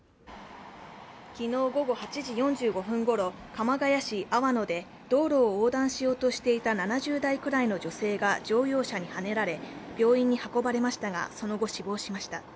昨日午後８時４５分ごろ、鎌ケ谷市粟野で道路を横断しようとしていた７０代くらいの女性が乗用車にはねられ病院に運ばれましたがその後、死亡しました。